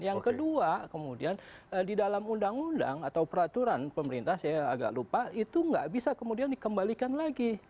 yang kedua kemudian di dalam undang undang atau peraturan pemerintah saya agak lupa itu nggak bisa kemudian dikembalikan lagi